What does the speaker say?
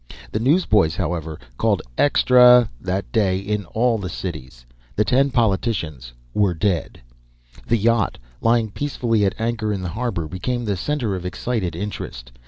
The newsboys, however, called "Extra" that day in all the cities. The ten politicians were dead. The yacht, lying peacefully at anchor in the harbour, became the centre of excited interest.